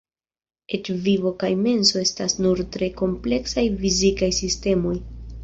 Eĉ vivo kaj menso estas nur tre kompleksaj fizikaj sistemoj.